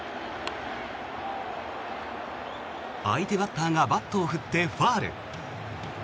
相手バッターがバットを振ってファウル。